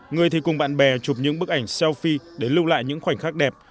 người thì cùng bạn bè chụp những bức ảnh selfie để lưu lại những khoảnh khắc đẹp